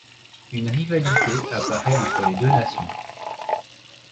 Une rivalité apparait entre les deux nations.